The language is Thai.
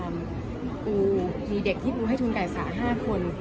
มีเด็กที่บูให้ทุนกายศา๕คน